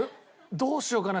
どうしようかな？